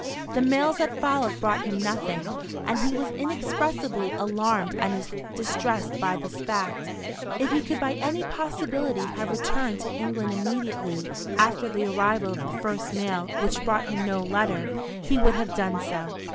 The mails that followed brought him nothing, and he was inexpressibly alarmed and distressed by this fact. If he could by any possibility have returned to England immediately after the arrival of the first mail which brought him no letter, he would have done so.